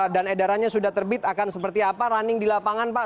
dan edarannya sudah terbit akan seperti apa running di lapangan pak